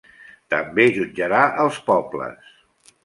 També jutjarà als pobles.